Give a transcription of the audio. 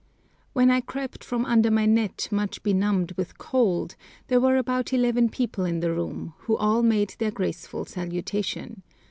WHEN I crept from under my net much benumbed with cold, there were about eleven people in the room, who all made their graceful salutation.